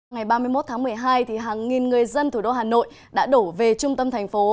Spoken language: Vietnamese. ngày ba mươi một tháng một mươi hai hàng nghìn người dân thủ đô hà nội đã đổ về trung tâm thành phố